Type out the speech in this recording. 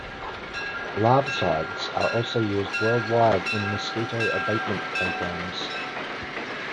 Larvicides are also used worldwide in mosquito abatement programs.